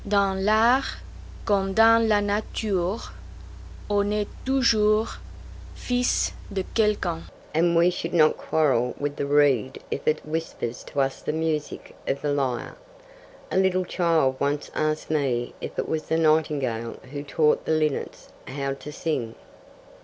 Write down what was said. Dans l'art comme dans la nature on est toujours fils de quelqu'un, and we should not quarrel with the reed if it whispers to us the music of the lyre. A little child once asked me if it was the nightingale who taught the linnets how to sing.